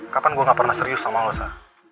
kapan gue gak pernah serius sama lo sa